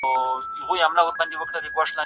خاوند د ميرمني په مړينه کي څومره ميراث وړلای سي؟